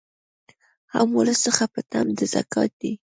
هم ولس څخه په طمع د زکات دي